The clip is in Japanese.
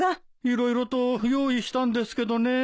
色々と用意したんですけどね。